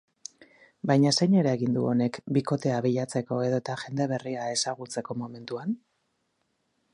Baina zein eragin du honek bikotea bilatzeko edota jende berria ezagutzeko momentuan?